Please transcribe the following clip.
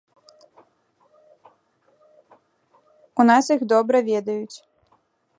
У нас іх добра ведаюць.